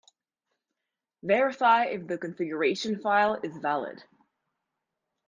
Verify if the configuration file is valid.